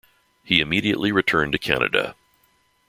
He immediately returned to Canada.